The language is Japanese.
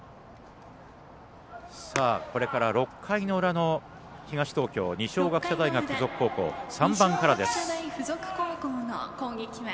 これから６回の裏の東東京、二松学舎大付属高校３番からです。